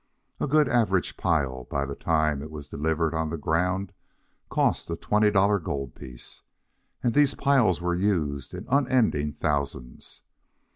A good average pile, by the time it was delivered on the ground, cost a twenty dollar gold piece, and these piles were used in unending thousands.